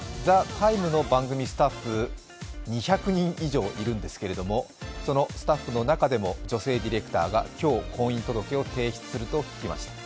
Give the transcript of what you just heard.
「ＴＨＥＴＩＭＥ，」の番組スタッフ２００人以上いるんですけれども、そのスタッフの中でも女性ディレクターが今日、婚姻届を提出すると聞きました。